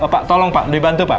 pak tolong pak dibantu pak